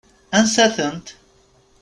Ansa-tent?